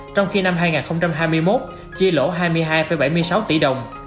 trong khi năm hai nghìn hai mươi một chi lỗ hai mươi hai bảy mươi sáu tỷ đồng